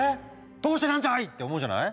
どうしてなんじゃい！って思うじゃない。